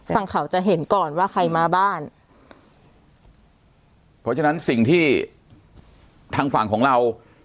ฝั่งเขาจะเห็นก่อนว่าใครมาบ้านเพราะฉะนั้นสิ่งที่ทางฝั่งของเรา